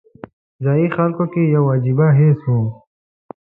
ځایي خلکو کې یو عجیبه حس و.